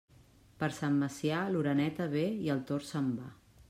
Per Sant Macià, l'oreneta ve i el tord se'n va.